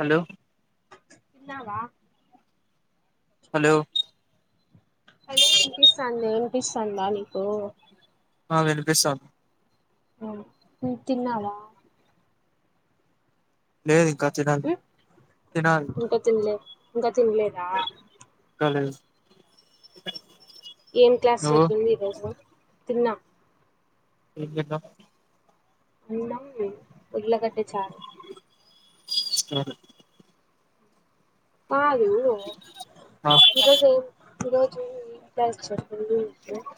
Hello తిన్నావా hello అదే వినిపిస్తంది వినిపిస్తందా నీకు ఆ వినిపిస్తంది తిన్నావా లేదు ఇంకా తినాలి తినాలి ఇంకా తినలే ఇంకా తినలేదా ఇంకా లేదు ఏం క్లాస్ నువ్వు జరిగింది ఈ రోజు తిన్న ఏం తిన్నావ అన్నం ఉరుల్లకట్ట చారు ఆవును కాదు ఆ ఇరోజు ఈరోజు చేస్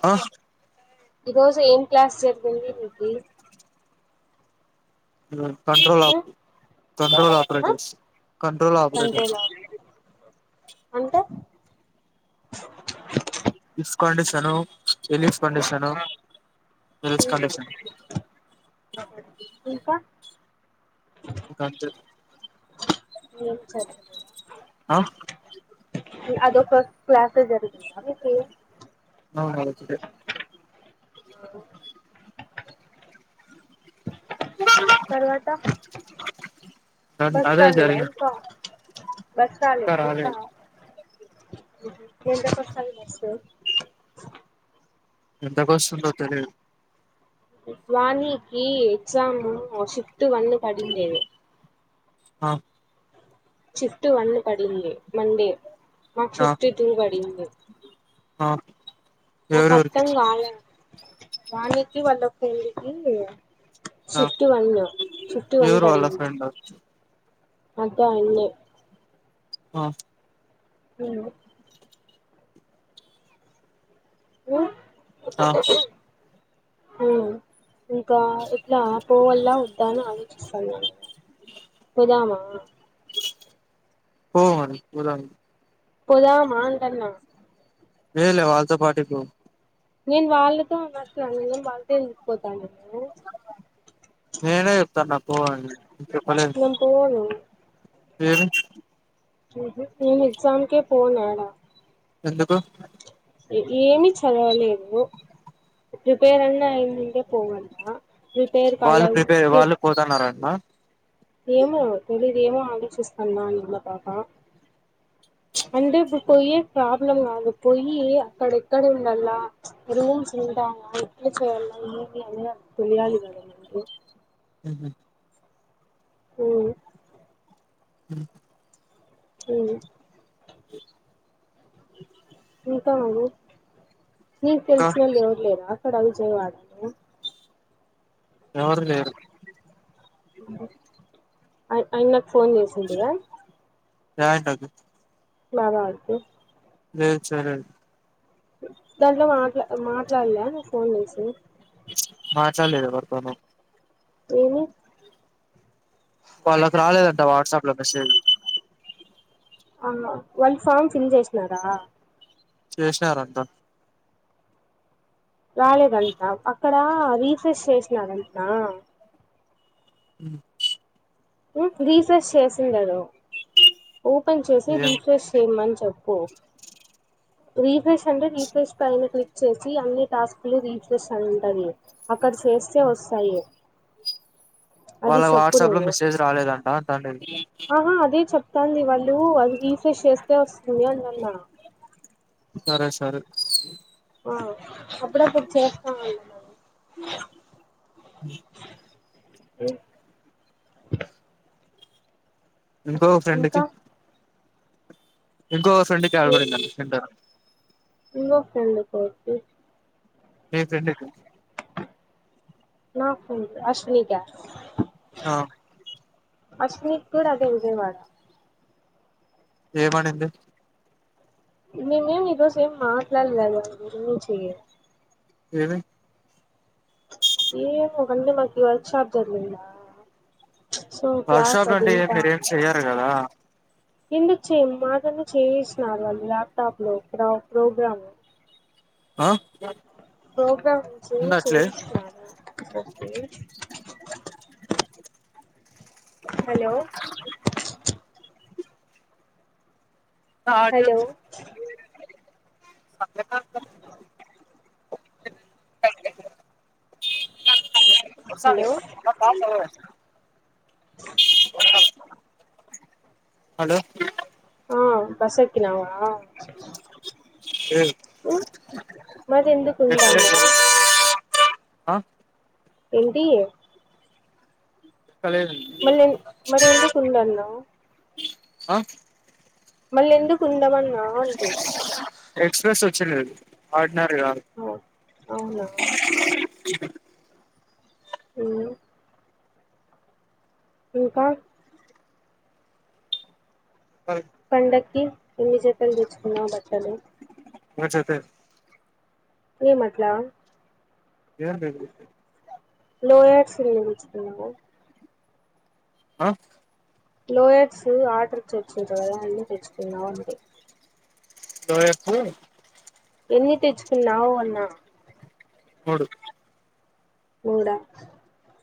ఆ ఈ రోజు ఏం క్లాస్ జరిగింది నకి హ కంట్రోల్ ఆ ఉమ్ కంట్రోల్ ఆ ఆపరేటర్స్ కంట్రోల్ ఆపరేటర్స్ అంతే డిస్కన్డిషన్ రలీఫ కండీషను రలీ కషన్ ఇంకా దకాంత ఏం జరగలేదా ఆ అదొ ఒక క్లాసస్ జరుగుందా మీక అవు ఐతే ఓ తర్వాత అదే బస్రాలుిగా జరిగింది ఇంకా బస్త్రాలుిగా ఇంకా ఏంతసయిస్తు [inaudible] ఎంత బస్స్తుందత [inaudible] వాణికి ఎగ్జామ్ పతు వళ్న్న కడిందేనే [inaudible] ఆ షిఫ్ట్ వన్ పడింది మండే మాకు ఆ షిఫ్ట్ టూ పడింది ఆ ఆ ఎవరెవరికి పత్తం కాాల [inaudible] వానికి వల్ల పెళ్ళికి ఆ షిఫ్ట్ వన్ షిఫ్ట్ వన్ ఎవరు వాళ్ళ పాడింది ఫ్రెండ్ అదా అడి [inaudible] ఆ అ ఓ ఆ హ ఇంకా ఎట్లా పోవల్ల వద్దా అని ఆ పోదామా పో మ ఉలాం [inaudible] పోదామా అంటున్న లేలే వాళ్ళతో పాటికి నేను వాళ్ళతో ఉన్నట్లును నేను వాళ్ళతో ఎసుపోతాను నేనే చెప్తానా పో అని వర నేను పోను నేను ఎక్జామికే పోనాడా ఎందుకు ఏమి చదవలేదు ప్రిపేర్ అన్నా అయిందంటే పోగడా వాళ్ళు ప్రిపేర్ వాళ్ళు పోతున్నారడి ఆ ఏమో తెలిద ఏమో ఆలోచిస్తున ఇన్న పాప అంటే ఇప్ పొయ్యే ప్రాబ్లం కాదు పొయ్యి అక్కడ ఎక్కడ ఉండలా రూమ్స్ ఉంటా ఎక్కడ చేయాల ఏమి అని తెలియాలి కద మడి ఉహం హ్మ్ హ్మ్ హ్మ్ తాగు నీకు ఇంకా తెల్సినోళ్లు ఎవరూలేరా కడ విజయ వాడ ఎవరు లేరు అయ్ అయినా ఫోన్ చేసింటివా యన్నకి నాదా కు లెద్చేయలేదు దాంట్లో మాట్లా అ మాట్లాడలే ఫోన్ చేసి చల్లేద పర్తను ఏమీ వాళ్ళకి రాలేదంట వాట్సాప్ లో మెసేజ్ ఆ వాళ్ళు ఫామ్ ఫిల్ చేసినారా చేసినారంటా రాలేదంటా అక్కడ రీసెచ్ చేసినారంటనా ఉమ్ రీసెర్చ్ చేసిండడు ఓపెన్ చేసి ఏం రీఫ్రెష్ చేయ్ మంచ్ చెప్పు రిఫ్రెష్ అంటే రిఫ్రెష్ ఆయనకనే చేసి అన్ని టాస్కులు రీఫ్రెష్ అనీ ఉంటది అక్కడ చేస్తే వస్తాయి అది వాళ్ళ చెప్పు వాట్సాప్ లో నువ్వు మెసేజ్ రాలేదంట అంటా న్డేది తంది వాళ్ళు అది రిఫ్రెష్ చేస్తే వస్తుంది అంటన్నా సరే సరే ఆ అప్పుడప్పుడు చేస్తా ఉన్నా అ ఇంకో ఫ్రెండ్ కీ ఇంకా ఇంకో ఫ్రెండ్ కడగూడ వింటాడు ఇంగో ఫ్రెండ్ కొరికి ఏ ఫ్రెండ్ కు నాకు అశ్వినీ క ఆ అశ్వినీ కూడ అదే విజయవాడ ఏమనింది మేమేం ఈరోజు ఏం మాట్లాడలేదు దాని గురించి ఏమి ఏమో అంటే మాకీ వర్క్ షాప్ కదా ఈడ వాట్సప్ అంటే మీరేం చెయ్యరు కదా ఎందుకు చెయ్యము మాతోనే చేయిస్తున్నారు వాళ్ళు ల్యాప్టాప్ లో ప్ర ప్రోగ్రామ్ ఆ ప్రోగ్రామ్ నుంచి ఉందట్లే చేయించను హలో హలో అక్క [inaudible] [inaudible] సా హలో అ హలో ఆ బస్ తిన్నావా ఇ మాదెందుకు ఉండాల్నా ఆ ఎంటి మళ్ళీ మరి ఎందుకు ఉందన్నవు ఆ మళ్ళీ ఎందుకు కుందమన్నా అంటే ఎక్స్ప్రెస్ వచ్చి లేదు ఉన్నాడు గా అవునా హ్మ్ ఇంకా కాదు పండక్కి ఎన్ని జతలు తెచ్చుకున్నావు బట్టలు అన్న చెప్పే ఏం మట్లా ఏం బేబీ లోయర్ సినిమా చూస్తున్నావా ఆ లోలయర్డ్స్ ఆర్డర్ ఇచ్చి వచ్చిన తెచ్చుకోవాలి లోయర్స్ ఎన్ని తెచ్చుకున్నావ్ అన్నా మూడు మూడ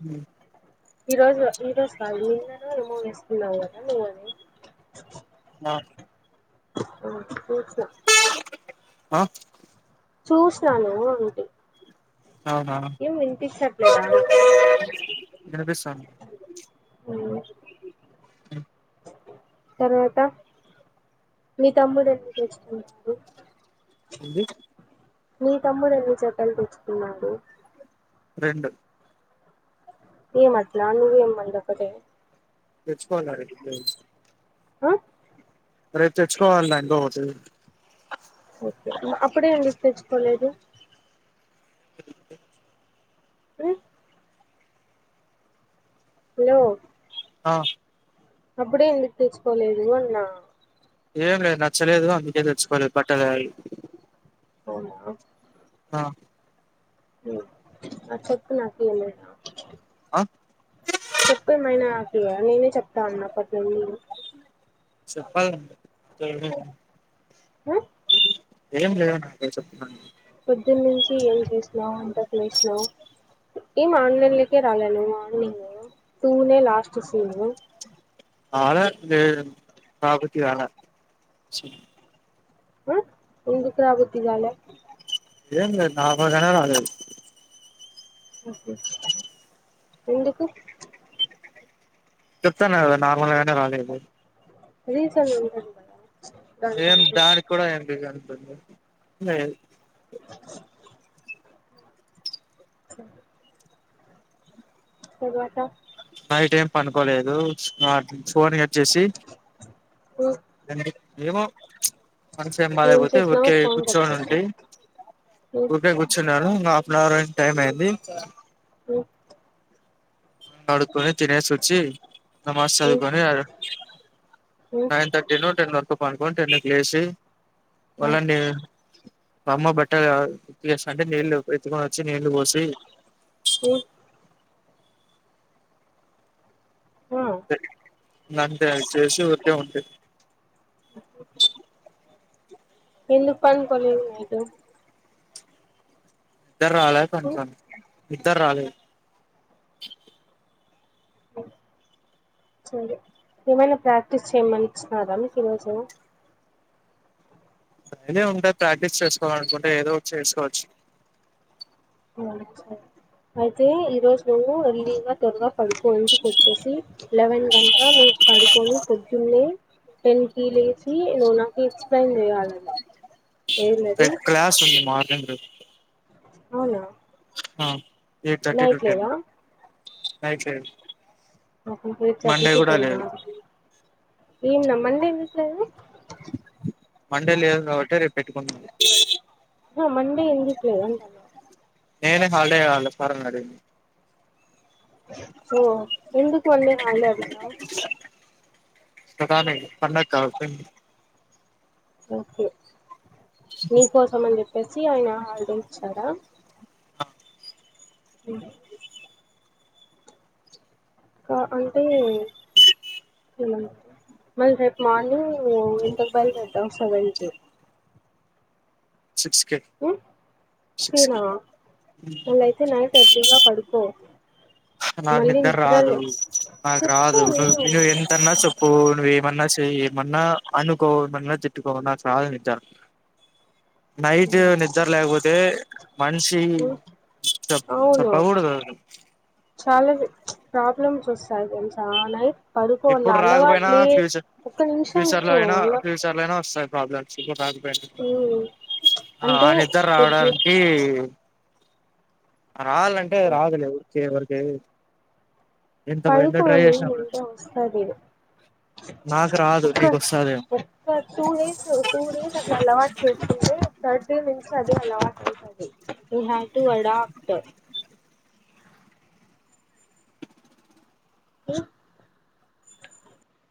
హు ఈ రోజు ఈ రోజు కాదు నిన్ను ఏమో వేస్తున్నాం కదా నువ్వని నా పచ్చ [inaudible] ఆ చూసినాను అంటి అవునా ఏం వినిపిచట్లేదా నా వినిపిస్తాంది వాయిస్ అ తర్వాత మీ తమ్ముడు ఎన్ని తెచ్చుకుంటుడు ఏంది మీ తమ్ముడు ఎన్ని జతలు తెచ్చుకున్నాడు రెండు ఏం అట్లా నవ్వు ఎం మల్ల ఒక్కటే తెచ్చుకోవాలడి ఆ రేపు తెచ్చుకోవాలి ఇంకోటి ఓకే అప్పుడే ఏందుకు తెచ్చుకోలేదు హు హలో ఆ అప్పుడే ఎందుకు తెచుకోలేదు అన్నా ఏం లేదు నచ్చలేదు అందుకే తెచ్చుకోలేదు బట్టలావి అవునా ఆ హ్మ్ చెప్పు నాకు ఏం లేదా ఆ చెప్తే [unintelligible] అట్లా నేనే చెప్తా ఉన్న అప్పటినుండి చెప్ప [unintelligible] ఆ ఏం లేదు నాకే చెప్పడానికి పొద్దున్నుంచి ఏం చేసినావు ఎంతకు లేసినావు ఏం ఆన్లైన్లకే రాలే నువ్వు మార్నింగ్ టూనే లాస్ట్ సీను రాలే లేదు [unintelligible] ఎందుకు రా బుద్ధి కాల ఏం లేదు నార్మల్ గానే రాలేదు ఓకే ఎందుకు చెప్తాన్న కదా నార్మల్ గానే రాలేదు రీజన్ ఉంటుంది కదా ఏం దానికంటూ దానికి కూడా ఏం రీసన్ లేదు సరే తర్వాత నైట్ ఏం పనుకోలేదు ఫోన్ కట్ చేసి మ్ ఏమో మనస్సు ఏం బాలేకపోతే చేసినావు ఊరికే ఫోన్ కట్ కూర్చొని ఉంటీ చేసావ్ మ్ ఊరికే కూర్చొని [unintelligible] అవర్ అయింది టైం అయింది మ్ కడుక్కుని తినేసోచ్చి నమాజ్ మ్ చదువుకోని మ్ నైన్ థర్టీ ను టెన్ పండుకుని టెన్ కి లేసి ఆ వళ్ళండి మా అమ్మ బట్టలు ఉతికియేస్తంటై నీళ్ళు ఎత్తుకొని వచ్చి నీళ్లు పోసి కో ఆ అంటే అది చేసి ఊకే ఉంటేది ఓ ఎందుకు పండుకొలేదు నైట్ నిద్దర్రాలే మ్ పండుకోలే నిద్దరాలేదు సరే ఏమైనా ప్రాక్టీస్ చేయమని ఇచ్చినరా మీకు ఈరోజు అదే ఉంటా ప్రాక్టీస్ చేసుకోవాల అనుకుంటే ఏదో ఒకటి చేసుకోవచ్చు అయితే ఈ రోజు ఎర్లీ గా తొరగా పడుకో ఇంటికి వచ్చేసి లెవెన్ అంత పడుకొని పొద్దున్నే టెన్ కి లేచి లో నాకు ఎక్స్ప్లెయిన్ చేయాలని ఏందది ఎందు అవున ఆ eight thirty to ten night లేదు మాకు ఎయిట్ థర్టీ మండే కీ కూడా టెల్ నా లేదు ఏంన మండే ఎందుకు లేదు మండే లేదు కాబట్టె రేపు పెట్టుకుంటున్నమ్ హా మండే ఎందుకులేదు ఉంటన నేనే హాల్ డే కావాలా సార్ అని అడిగిన ఓ ఎందుకు వండే హల్ డే అడిగినవ్ సధాల పన్నకా [inaudible] ఓకే మీకోసం అంచెప్పు తెలిసి ఆయన హాల్ డే ఇచ్చారా అ అంటే మళ్ళీ రేపు మార్నింగ్ ఇంతకు బయలుదేరతావ్ సెవెన్కి సిక్స్ కే సిక్స్ కి ఓకేనా మళ్ళ అయితే నైట్ ఎర్లీగా పడుకో నాకు మళ్ళీ నిద్దర నిద్ర రాదు లే నాకు చెప్తా రాదు విను నువ్వు ఎంతన్నా చప్పు పూ నువ్వు ఏమన్నా సేయ్, ఏమన్నా అనుకో, ఏమన్నా తిట్టుకో నాకు నిద్రా. నైటూ నిద్దర్ లేకపోతే మనిషీ చప్ అవును చప్పగూడదు అది. చాలా ప్చ్ ప్రాబ్లమ్స్ వస్తాయి తెల్సా నైట్ పడుకోవాల ఇప్పుడు రాకపోయినా అలవాట్లే ఫ్యూచర్ ఒక్క నిమిషం ఫ్యూచర్ లో విను అయినా, అలా ఫ్యూచర్ లయినా వస్తద్. ప్రాబ్లమ్స్ [unintelligible] ఆ అంటే నిద్దర ఇప్పుడు చూ రావడానికీ రావాలంటే రావదులేవు చ్చేవరకే [inaudible] పడుకొని [unintelligible] నింటే వస్తది. నాకు రాదు ఒక్క నీకు వస్తాదేమో ఒక్క టూ డేసు టూ డేస్ అట్ల అలవాట్ చేసుకుంటే థర్డ్ డే నుంచీ అదే అలవాట్ అయితాది. You have to adapt. Hello